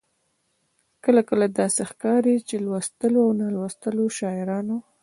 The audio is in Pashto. کله کله داسې ښکاري چې لوستو او نالوستو شاعرانو.